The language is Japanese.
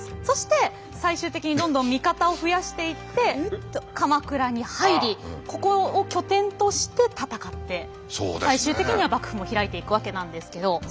そして最終的にどんどん味方を増やしていって鎌倉に入りここを拠点として戦って最終的には幕府も開いていくわけなんですけど。